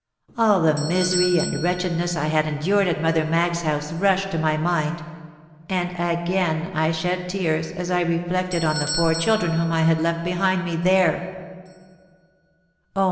All the misery and wretchedness I had endured at Mother Maggs's house rushed to my mind; and again I shed tears as I reflected on the poor children whom I had left behind me there! "Oh!